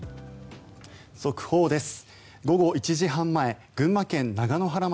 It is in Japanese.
速報です。